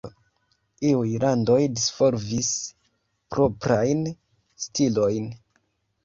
Iuj landoj disvolvis proprajn stilojn.